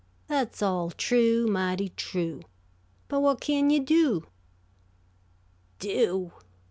"That's all true, mighty true. But what kin you do?" "Do?